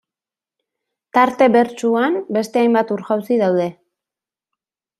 Tarte bertsuan, beste hainbat ur-jauzi daude.